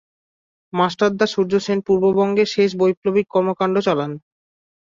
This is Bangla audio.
মাস্টারদা সূর্যসেন পূর্ববঙ্গে শেষ বৈপ্লবিক কর্মকান্ড চালান।